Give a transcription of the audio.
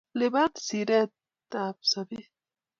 Liban siret tab sobet